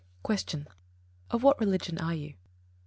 Question. _Of what religion are you?